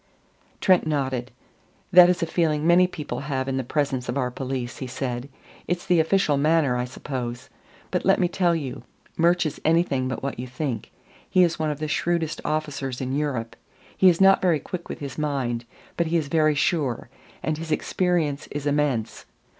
Trent nodded. "That is a feeling many people have in the presence of our police," he said. "It's the official manner, I suppose. But let me tell you Murch is anything but what you think. He is one of the shrewdest officers in Europe. He is not very quick with his mind, but he is very sure. And his experience is immense.